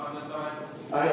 ada pak ada semua